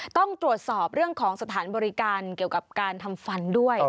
ต้องตรวจสอบเรื่องของสถานบริการเกี่ยวกับการทำฟันด้วย